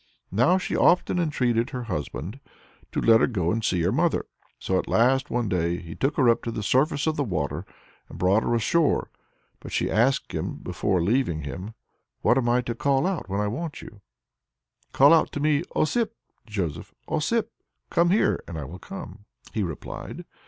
Now she often entreated her husband to let her go to see her mother. So at last one day he took her up to the surface of the water, and brought her ashore. But she asked him before leaving him, "What am I to call out when I want you?" "Call out to me, 'Osip, [Joseph] Osip, come here!' and I will come," he replied.